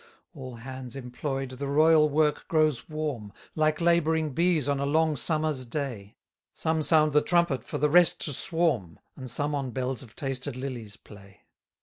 144 All hands employ'd, the royal work grows warm: Like labouring bees on a long summer's day, Some sound the trumpet for the rest to swarm. And some on bells of tasted lilies play.